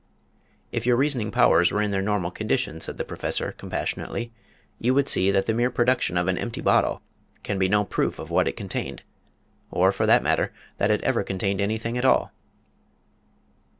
"If your reasoning powers were in their normal condition," said the Professor, compassionately, "you would see that the mere production of an empty bottle can be no proof of what it contained or, for that matter, that it ever contained anything at all!"